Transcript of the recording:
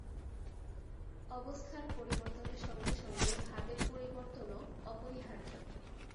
অবস্থার পরিবর্তনের সঙ্গে সঙ্গে ভাবের পরিবর্তনও অপরিহার্য।